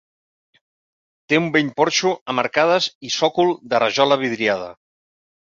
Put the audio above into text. Té un bell porxo amb arcades i sòcol de rajola vidriada.